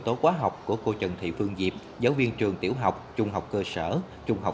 tố khóa học của cô trần thị phương diệp giáo viên trường tiểu học trung học cơ sở trung học